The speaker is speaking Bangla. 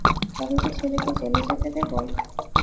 তবে কি ছেলেকে জেলে যেতে দেবে।